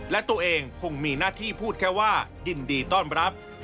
และตัวเองคงมีหน้าที่พูดแค่ว่ายินดีต้อนรับ